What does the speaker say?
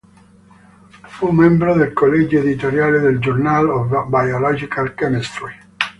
Fu membro del collegio editoriale del Journal of Biological Chemistry.